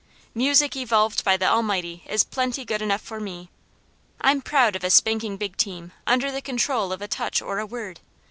Music evolved by the Almighty is plenty good enough for me. I'm proud of a spanking big team, under the control of a touch or a word.